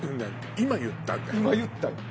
今言ったよ。